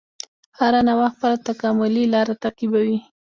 هره نوعه خپله تکاملي لاره تعقیبوي.